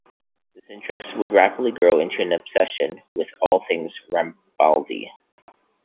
This interest would rapidly grow into an obsession with all things Rambaldi.